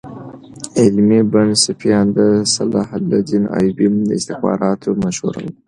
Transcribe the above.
علي بن سفیان د صلاح الدین ایوبي د استخباراتو مشر وو.